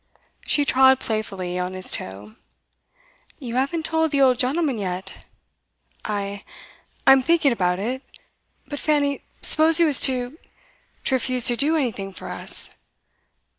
She trod playfully on his toe. 'You haven't told the old gentleman yet?' 'I I'm thinking about it. But, Fanny, suppose he was to to refuse to do anything for us.